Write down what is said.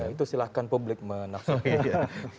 itu silahkan publik menaksud